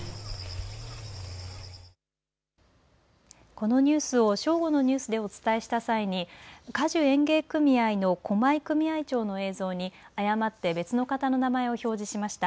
このニュースを正午のニュースでお伝えした際に果樹園芸組合の駒居組合長の映像に誤って別の方の名前を表示しました。